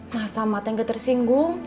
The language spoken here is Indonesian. masa mata yang gak tersinggung